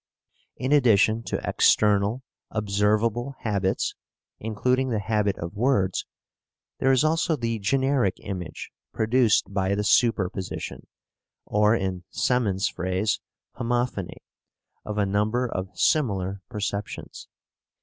In addition to external observable habits (including the habit of words), there is also the generic image produced by the superposition, or, in Semon's phrase, homophony, of a number of similar perceptions.